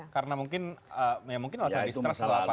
karena mungkin ya mungkin alasan distrust itu apa